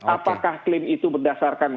apakah klaim itu berdasarkan